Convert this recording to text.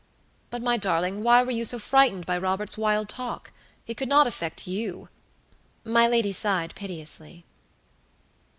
But, my darling, why were you so frightened by Robert's wild talk? It could not affect you." My lady sighed piteously.